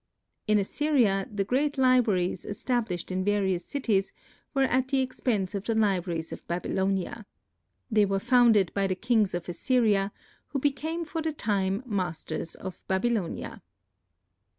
In Assyria, the great libraries established in various cities were at the expense of the libraries of Babylonia. They were founded by the kings of Assyria who became for the time masters of Babylonia.